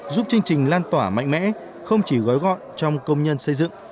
giúp chương trình lan tỏa mạnh mẽ không chỉ gói gọn trong công nhân xây dựng